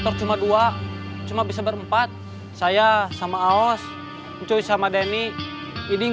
kita kumpul di belakang